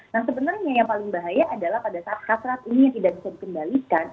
nah sebenarnya yang paling bahaya adalah pada saat hasrat ini tidak bisa dikembalikan